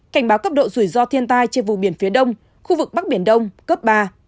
cảnh báo cấp độ rủi ro thiên tai trên vùng biển phía đông khu vực bắc biển đông cấp ba